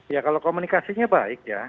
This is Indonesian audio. ya kalau komunikasinya baik ya